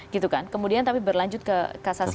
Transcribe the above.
gitu kan kemudian tapi berlanjut ke kasasi